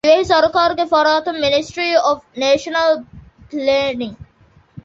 ދިވެހި ސަރުކާރުގެ ފަރާތުން މިނިސްޓްރީ އޮފް ނޭޝަނަލް ޕްލޭނިންގ،